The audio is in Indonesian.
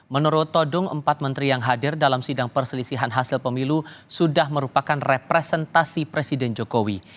menurut todung empat menteri yang hadir dalam sidang perselisihan hasil pemilu sudah merupakan representasi presiden jokowi